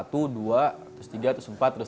satu dua terus tiga terus empat terus terus